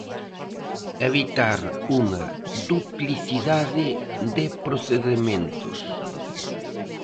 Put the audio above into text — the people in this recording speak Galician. Evitar unha "duplicidade de procedementos".